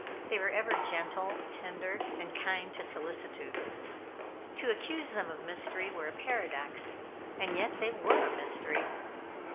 They were ever gentle, tender, and kind to solicitude. To accuse them of mystery were a paradox; and yet they were a mystery.